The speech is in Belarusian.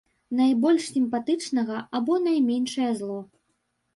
Найбольш сімпатычнага або найменшае зло.